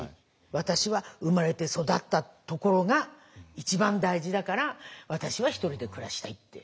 「私は生まれて育ったところが一番大事だから私は一人で暮らしたい」って。